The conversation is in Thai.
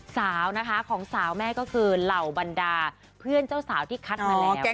สาวนะคะของสาวแม่ก็คือเหล่าบรรดาเพื่อนเจ้าสาวที่คัดมาแล้ว